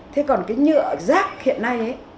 thế còn cái nhựa rác hiện nay ấy